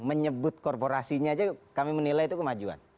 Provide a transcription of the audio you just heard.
menyebut korporasinya aja kami menilai itu kemajuan